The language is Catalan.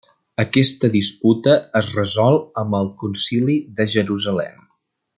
Aquesta disputa es resol amb el Concili de Jerusalem.